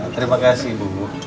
terima kasih ibu ibu